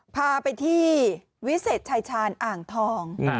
พาไปที่วิเศษชายชาญอ่างทอง